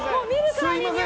すみません。